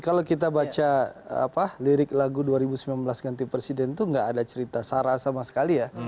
kalau kita baca lirik lagu dua ribu sembilan belas ganti presiden itu nggak ada cerita sarah sama sekali ya